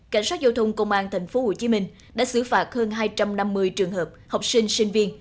cảnh sát giao thông công an tp hcm đã xử phạt hơn hai trăm năm mươi trường hợp học sinh sinh viên